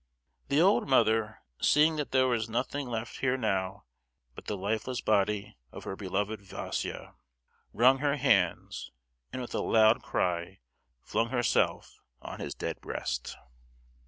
The old mother, seeing that there was nothing left her now but the lifeless body of her beloved Vaísia, wrung her hands, and with a loud cry flung herself on his dead breast.